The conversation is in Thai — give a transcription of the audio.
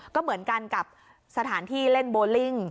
ก็เหมือนกันกับสถานที่เล่นโบลิ่ง